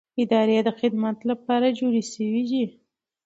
ادارې د خدمت لپاره جوړې شوې دي